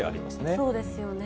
そうですよね。